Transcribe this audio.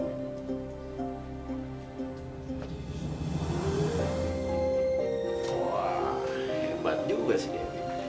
wah hebat juga sih